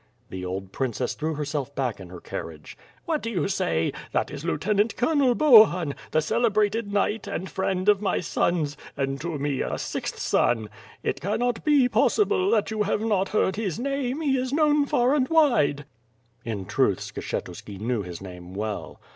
The old Princess threw herself back in her carriage. "Wliat do you say? That is Lieutenant Colonel Bohun, the celebrated knight, and friend of my sons, and to me a sixth son. It cannot be possible that you have not heard his name. He is known far and wide." In truth Skshetuski knew his name well.